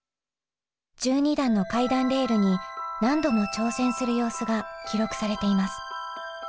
１２段の階段レールに何度も挑戦する様子が記録されています。